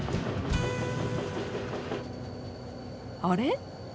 あれ？